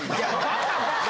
バカバカ。